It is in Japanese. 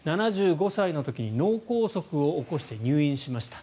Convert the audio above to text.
７５歳の時に脳梗塞を起こして入院しました。